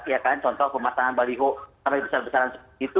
ya kan contoh pematangan baliho sampai besar besaran itu